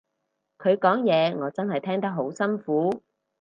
佢講嘢我真係聽得好辛苦